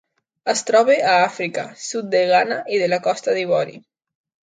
Es troba a Àfrica: sud de Ghana i de la Costa d'Ivori.